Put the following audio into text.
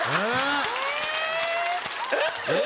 えっ？